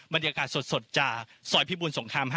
บรรยากาศสดจากซอยพิบูรสงคราม๕